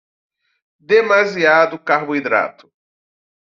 Demasiado carboidrato